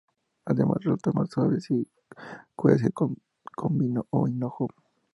Además, resulta más suave si se cuece con comino o hinojo.